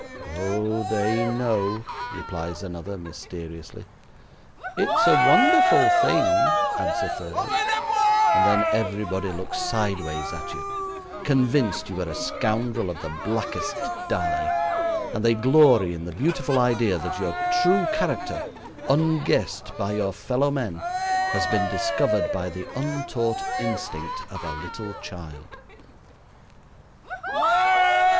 "Oh, they know," replies another mysteriously. "It's a wonderful thing," adds a third; and then everybody looks sideways at you, convinced you are a scoundrel of the blackest dye; and they glory in the beautiful idea that your true character, unguessed by your fellow men, has been discovered by the untaught instinct of a little child.